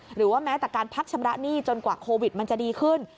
หรือว่าแม้แต่การพักชำระหนี้จนกว่าโควิดมันจะดีขึ้น